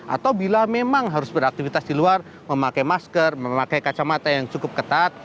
atau bila memang harus beraktivitas di luar memakai masker memakai kacamata yang cukup ketat